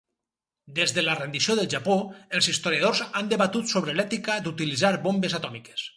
Des de la rendició del Japó, els historiadors han debatut sobre l'ètica d'utilitzar bombes atòmiques.